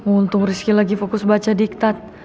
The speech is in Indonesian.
untung rizky lagi fokus baca diktat